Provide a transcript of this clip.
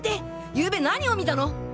ゆうべ何を見たの！？